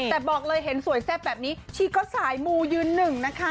แต่บอกเลยเห็นสวยแซ่บแบบนี้ชีก็สายมูยืนหนึ่งนะคะ